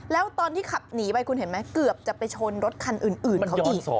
แล้วตอนที่ขับหนีไปคุณเห็นไหมเกือบจะไปชนรถคันอื่นเขาอีก